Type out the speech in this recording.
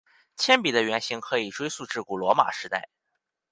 铅笔的原型可以追溯至古罗马时代。